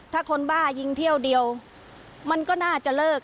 ถ้าคนบ้ายิงเที่ยวเดียวมันก็น่าจะเลิก